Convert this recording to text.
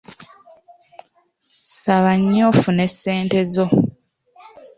Saba nnyo ofune ssente zo.